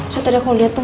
so tadi aku liat tuh